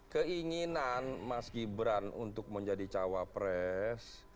keinginan mas gibran untuk menjadi cawapres